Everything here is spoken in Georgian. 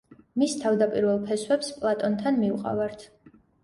მის თავდაპირველ ფესვებს პლატონთან მივყავართ.